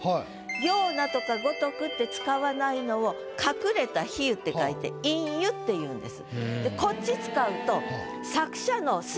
「ような」とか「ごとく」って使わないのを「隠れた比喩」って書いて「隠喩」っていうんです。